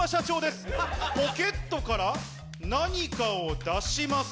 ポケットから何かを出します。